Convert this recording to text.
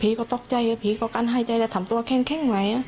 ผีก็ต้องก็กันไห้ใจผีก็ถามตัวแข็งแล้ว